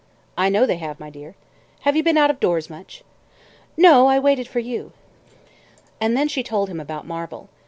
"I know they have, my dear. Have you been out of doors much?" "No, I waited for you." And then she told him about Marvel.